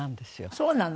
そうなの？